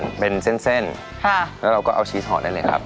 แล้วเราก็เอาชีสห่อได้เลยครับ